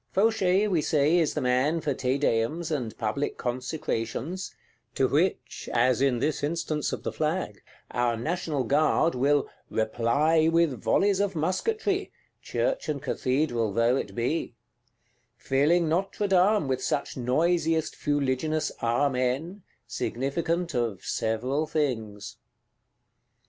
Fauchet, we say, is the man for Te Deums, and public Consecrations;—to which, as in this instance of the Flag, our National Guard will "reply with volleys of musketry," Church and Cathedral though it be; filling Notre Dame with such noisiest fuliginous Amen, significant of several things.